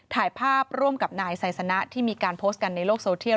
ถ่ายภาพร่วมกับนายไซสนะที่มีการโพสต์กันในโลกโซเทียล